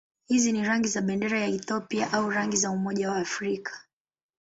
Hizi ni rangi za bendera ya Ethiopia au rangi za Umoja wa Afrika.